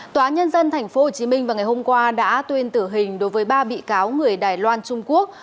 tòa nhân dân tp hcm vào ngày hôm qua đã tuyên tử hình đối với ba bị cáo người đài loan trung quốc